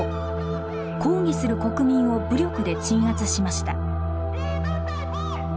抗議する国民を武力で鎮圧しました。